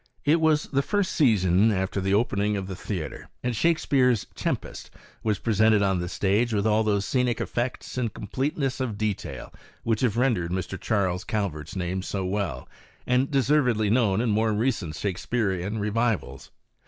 It was the first season after the opening of the theatre, and Shakspeare's Tempest was presented on the stage with all those scenic effects and completeness of detail which have rendered Mr. Charles Calvert's name so well and deservedly known in more recent Shakspearian revivals.